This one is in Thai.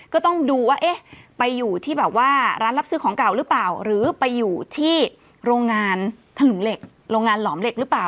ก็ต้องดูว่าเอ๊ะไปอยู่ที่แบบว่าร้านรับซื้อของเก่าหรือเปล่าหรือไปอยู่ที่โรงงานถลุงเหล็กโรงงานหลอมเหล็กหรือเปล่า